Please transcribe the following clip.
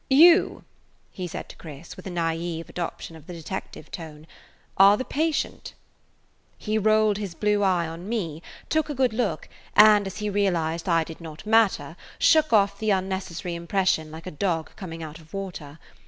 "You," he said to Chris, with a naive adoption of the detective tone, "are the patient." He rolled his blue eye on me, took a good look, and, as he realized I did not matter, shook off the unnecessary impression like a dog coming out of water.